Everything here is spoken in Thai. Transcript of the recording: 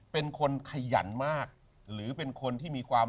เป็นคนขยันมากหรือเป็นคนที่มีความ